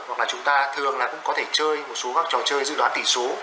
hoặc là chúng ta thường là cũng có thể chơi một số các trò chơi dự đoán tỷ số